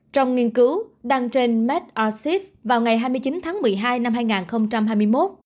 trong nghiên cứu đăng trên made arsef vào ngày hai mươi chín tháng một mươi hai năm hai nghìn hai mươi một